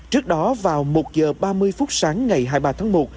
trước đó vào một h ba mươi phút sáng ngày hai mươi ba tháng một